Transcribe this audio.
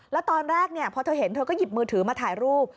แล้วตอนแรกพอเธอเห็นเธอก็หยิบมือถือมาถ่ายรูป